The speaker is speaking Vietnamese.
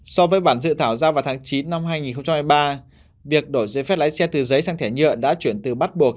so với bản dự thảo ra vào tháng chín năm hai nghìn hai mươi ba việc đổi giấy phép lái xe từ giấy sang thẻ nhựa đã chuyển từ bắt buộc